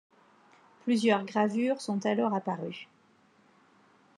Plusieurs gravures sont alors apparues.